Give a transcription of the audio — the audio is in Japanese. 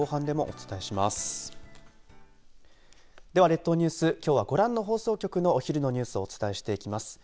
では、列島ニュースきょうは、ご覧の放送局のお昼のニュースをお伝えしていきます。